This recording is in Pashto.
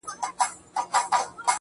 نو ژوند وي دغسي مفت يې در واخله خدایه~